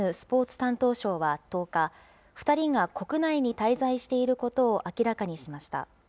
担当相は１０日、２人が国内に滞在していることを明らかにしました。